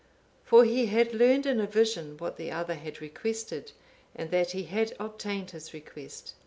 For he had learned in a vision what the other had requested, and that he had obtained his request.